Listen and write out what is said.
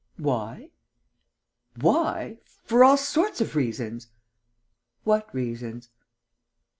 "Why?" "Why? For all sorts of reasons!" "What reasons?"